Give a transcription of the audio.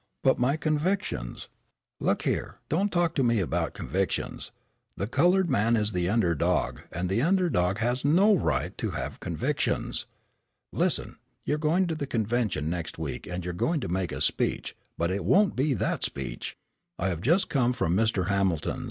"But my convictions " "Look here, don't talk to me about convictions. The colored man is the under dog, and the under dog has no right to have convictions. Listen, you're going to the convention next week and you're going to make a speech, but it won't be that speech. I have just come from Mr. Hamilton's.